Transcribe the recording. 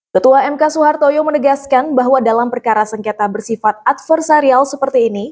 ketua mk soehartoyo menegaskan bahwa dalam perkara sengketa bersifat adversarial seperti ini